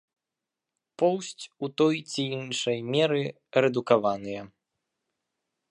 Поўсць ў той ці іншай меры рэдукаваныя.